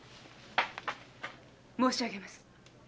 申しあげます。